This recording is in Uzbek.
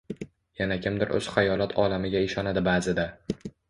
Yana kimdir o‘z xayolot olamiga ishonadi ba’zida.